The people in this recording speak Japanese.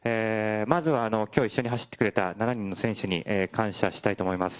まずはきょう一緒に走ってくれた７人の選手に感謝したいと思います。